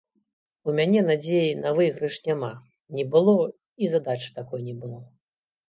У мяне надзеі на выйгрыш няма, не было, і задачы такой не было.